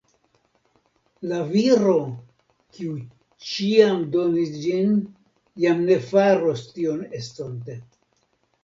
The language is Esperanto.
La viro, kiu ĉiam donis ĝin, jam ne faros tion estonte.